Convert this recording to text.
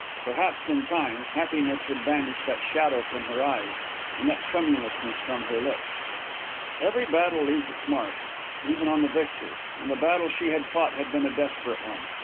Perhaps, in time, happiness would banish that shadow from her eyes, and that tremulousness from her lips. Every battle leaves its mark, even on the victor; and the battle she had fought had been a desperate one.